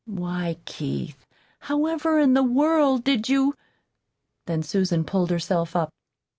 "Why, Keith, however in the world did you " Then Susan pulled herself up.